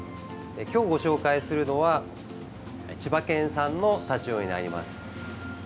今日ご紹介するのは千葉県産のタチウオになります。